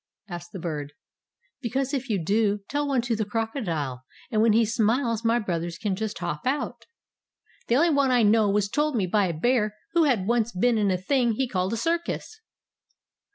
asked the Bird. "Because if you do, tell one to the crocodile, and when he smiles my brothers can just hop out!" "The only one I know was told me by a bear who had once been in a thing he called a circus."